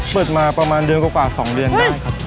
เปิดมาประมาณเดือนกว่า๒เดือนได้ครับ